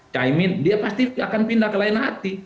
caimin dia pasti akan pindah ke lain hati